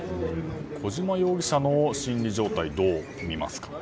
小島容疑者の心理状態どう見ますか。